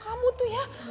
kamu tuh ya